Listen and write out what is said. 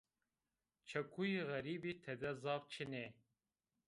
Çekuyê xerîbî tede zaf çin ê